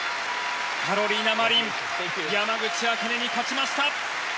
カロリナ・マリン山口茜に勝ちました。